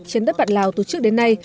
trên đất bạn lào từ trước đến nay